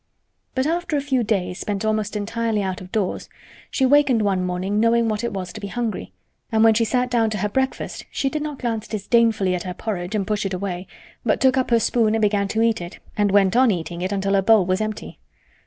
But after a few days spent almost entirely out of doors she wakened one morning knowing what it was to be hungry, and when she sat down to her breakfast she did not glance disdainfully at her porridge and push it away, but took up her spoon and began to eat it and went on eating it until her bowl was empty.